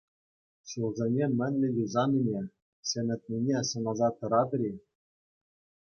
Ҫулсене мӗнле юсанине, ҫӗнетнине сӑнаса тӑратӑр-и?